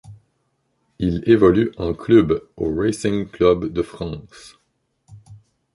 Il évolue en club au Racing club de France.